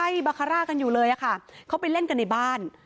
ยังไปเล่นค่ะ